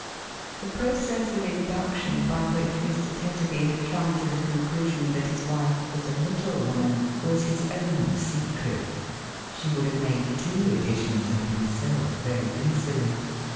The process of induction, by which Mr. Tetterby had come to the conclusion that his wife was a little woman, was his own secret. She would have made two editions of himself, very easily.